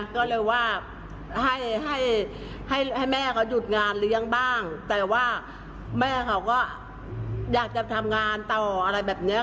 ก็เลยว่าให้ให้แม่เขาหยุดงานเลี้ยงบ้างแต่ว่าแม่เขาก็อยากจะทำงานต่ออะไรแบบเนี้ย